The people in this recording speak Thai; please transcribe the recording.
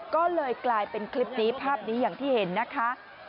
ก็เลยกลายเป็นคลิปนี้ภาพนี้อย่างที่เห็นนะคะ